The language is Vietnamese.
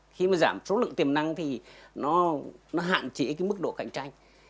khi mà giảm số lượng tiềm năng thì nó hạn chế cái mức độ cạnh tranh